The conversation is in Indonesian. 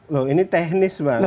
loh ini teknis bang